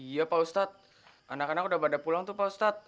iya pak ustadz anak anak udah pada pulang tuh pak ustadz